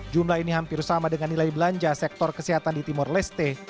jumlah ini hampir sama dengan nilai belanja sektor kesehatan di timor leste